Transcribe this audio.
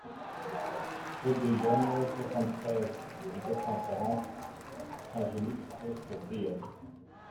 Route de Yenne, soixante-treize, deux cent quarante Saint-Genix-sur-Guiers